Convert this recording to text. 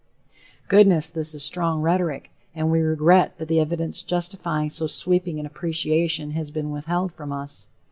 Goodness! this is strong rhetoric, and we regret that the evidence justifying so sweeping an appreciation has been withheld from us.